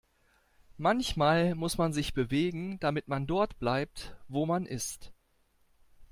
Manchmal muss man sich bewegen, damit man dort bleibt, wo man ist.